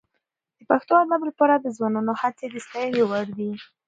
د پښتو ادب لپاره د ځوانانو هڅې د ستاینې وړ دي.